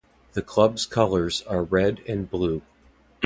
The club's colors are red and blue.